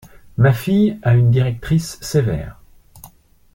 Ma fille a une directrice sévère.